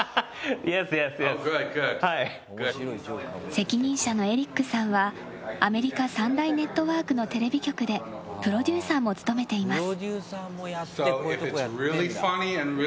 責任者のエリックさんはアメリカ三大ネットワークのテレビ局でプロデューサーも務めています。